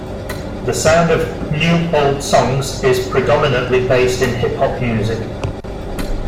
The sound of "New Old Songs" is predominately based in hip hop music.